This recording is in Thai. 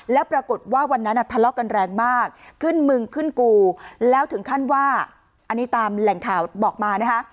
แล้วปรากฏว่าวันนั้นทะเลาะกันแรงมากขึ้นมึงขึ้นกูแล้วถึงขั้นว่าอันนี้ตามแหล่งข่าวบอกมานะคะ